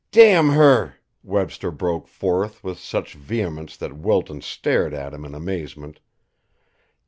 "Damn her!" Webster broke forth with such vehemence that Wilton stared at him in amazement.